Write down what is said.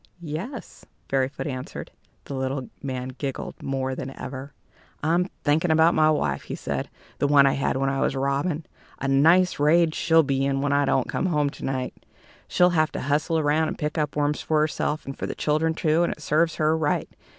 "Yes," Fairyfoot answered. The little man giggled more than ever. "I'm thinking about my wife," he said "the one I had when I was a robin. A nice rage she'll be in when I don't come home to night! She'll have to hustle around and pick up worms for herself, and for the children too, and it serves her right.